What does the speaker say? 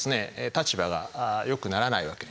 立場が良くならないわけですよ。